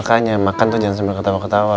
makanya makan tuh jangan sampai ketawa ketawa